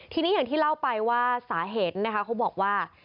ทีนี้อย่างที่เล่าไปว่าสาเหตุนะคะเขาบอกว่า